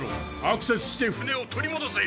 アクセスして船を取りもどせ！